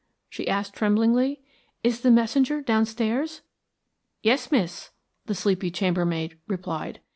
she asked tremblingly. "Is the messenger downstairs?" "Yes, miss," the sleepy chambermaid replied.